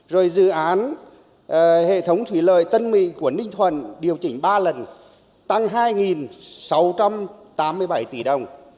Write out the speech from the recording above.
rồi dự án hệ thống thủy lợi tân mị của ninh thuần điều chỉnh ba lần tăng hai sáu trăm tám mươi bảy tỷ đồng